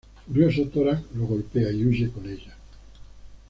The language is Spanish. Furioso, Torak lo golpea y huye con ella.